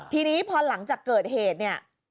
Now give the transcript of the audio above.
ทีนี้พอหลังจากเกิดเหตุเนี่ย